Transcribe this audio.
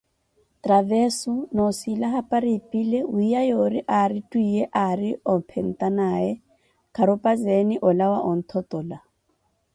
Traveso, noosila hapari epile, wiiya yoori aari twiiye aari ophetanaaye, kharupazeeni olawa onthotola.